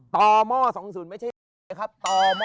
ตม๒๑๐ไม่ใช่ตม๒๑๐ครับผม